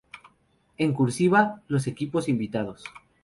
En "cursiva" los equipos invitados